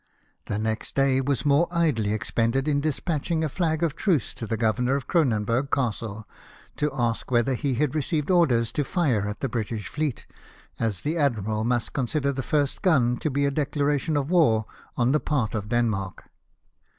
The next day was more idly expended in dispatching a flag of truce to the governor of Cronenburg Castle to ask whether he had received orders to fire at the British fleet, as the admiral must consider the first gun to be a declaration of war on the part of Denmark.